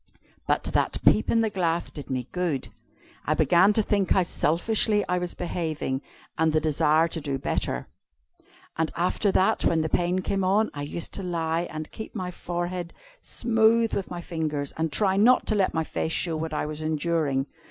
But that peep in the glass did me good. I began to think how selfishly I was behaving, and to desire to do better. And after that, when the pain came on, I used to lie and keep my forehead smooth with my fingers, and try not to let my face show what I was enduring.